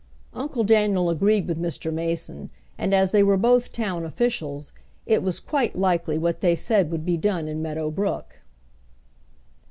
Uncle Daniel agreed with Mr. Mason, and as they were both town officials, it was quite likely what they said would be done in Meadow Brook.